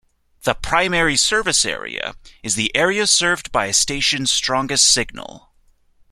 The "primary service area" is the area served by a station's strongest signal.